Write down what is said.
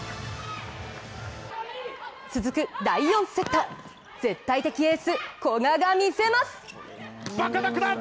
続く第４セット絶対的エース・古賀が見せます。